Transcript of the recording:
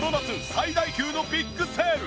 最大級のビッグセール！！